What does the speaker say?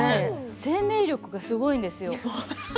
生命力がすごいんですよ。